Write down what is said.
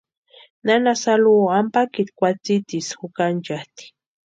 Nana Saluo ampakiti kwatsitisï jukanchasti.